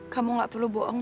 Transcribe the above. kamu gak perlu bohong